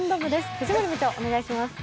藤森部長、お願いします。